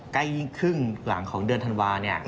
ใกล้ที่ครึ่งหลังของเดือนธันวาล